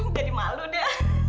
jadi malu deh